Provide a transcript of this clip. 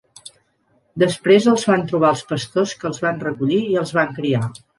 Després els van trobar els pastors que els van recollir i els van criar.